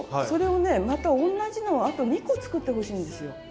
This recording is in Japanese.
それをねまた同じのをあと２個作ってほしいんですよ。